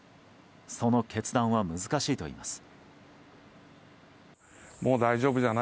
その決断は難しいといいます。